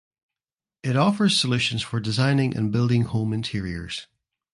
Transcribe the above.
It offers solutions for designing and building home interiors.